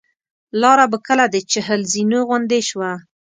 لاره به کله د چهل زینو غوندې شوه.